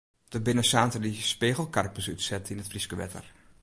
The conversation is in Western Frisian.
Der binne saterdei spegelkarpers útset yn it Fryske wetter.